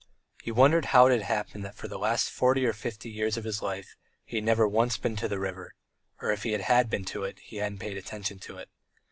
He wondered how it had happened that for the last forty or fifty years of his life he had never once been to the river, or if he had been by it he had not paid attention to it.